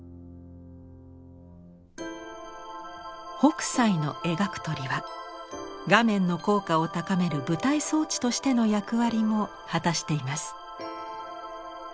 北斎の描く鳥は画面の効果を高める舞台装置としての役割も果たしています。